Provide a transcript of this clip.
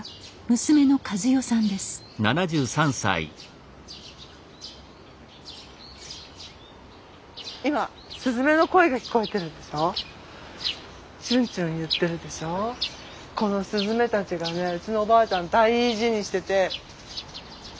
このすずめたちがねうちのおばあちゃん大事にしてて。